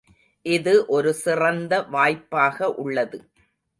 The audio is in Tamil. இது ஒரு சிறந்த வாய்ப்பாக உள்ளது.